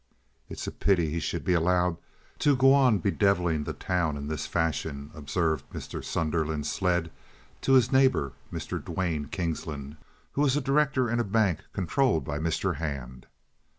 "It's a pity he should be allowed to go on bedeviling the town in this fashion," observed Mr. Sunderland Sledd to his neighbor, Mr. Duane Kingsland, who was a director in a bank controlled by Mr. Hand.